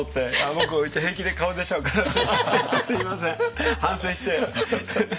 僕平気で顔出ちゃうからすみませんすみません反省して。